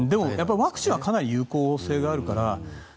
ワクチンはかなり有効性があるから。